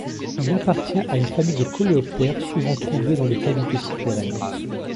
Il appartient à une famille de coléoptères souvent trouvés dans les cavités souterraines.